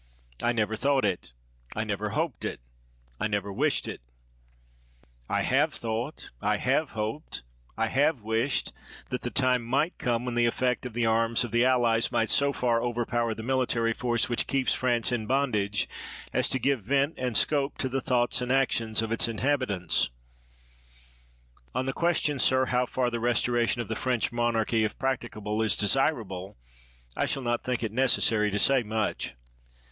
I never thought it, I never hoped it, I never wished it, I have thought, I have hoped, I have wished, that the time might come when the effect of the arms of the allies might so far overpower the military force which keeps France in bondage as to give vent and scope to the thoughts and actions of its in habitants. On the question, sir, how far the restoration of the French monarchy, if practicable, is de sirable, I shall not think it necessary to say much.